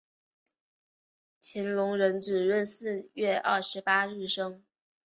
乾隆壬子闰四月二十八日生。